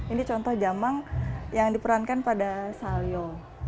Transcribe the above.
ini contoh jamang yang diperankan pada salyo